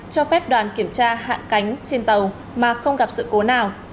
cho phép đoàn kiểm tra hạ cánh trên tàu mà không gặp sự cố nào